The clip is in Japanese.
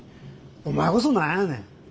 お前こそ何やねん。